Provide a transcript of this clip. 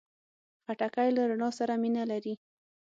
خټکی له رڼا سره مینه لري.